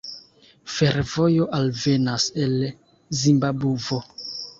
Fervojo alvenas el Zimbabvo.